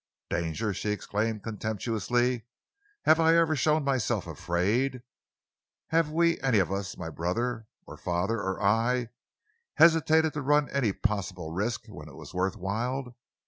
"Danger!" she exclaimed contemptuously. "Have I ever shown myself afraid? Have we any of us my brother or father or I hesitated to run any possible risk when it was worth while?